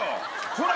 ほら。